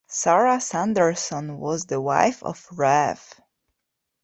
Sarah Sanderson was the wife of Rev.